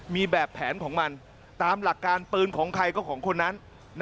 มีแบบแผนของมันตามหลักการปืนของใครก็ของคนนั้น